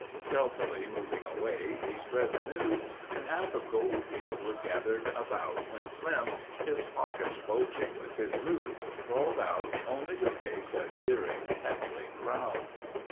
Stealthily moving away, he spread the news and half of Goldfield was gathered about when Slim, his pockets bulging with his loot, crawled out only to face a jeering, heckling crowd.